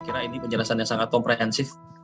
kira ini penjelasan yang sangat komprehensif